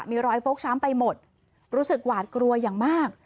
มีรอยฟกช้ำไปหมดรู้สึกหวาดกลัวอย่างมาก